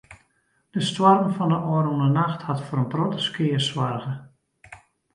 De stoarm fan de ôfrûne nacht hat foar in protte skea soarge.